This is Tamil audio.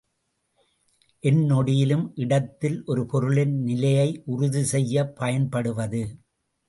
எந்நொடியிலும் இடத்தில் ஒரு பொருளின் நிலையை உறுதி செய்யப் பயன்படுவது.